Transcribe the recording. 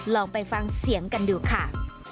ลองไปฟังเสียงกันดูค่ะ